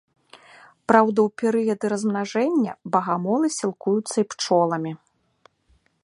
Праўда, у перыяды размнажэння багамолы сілкуюцца і пчоламі.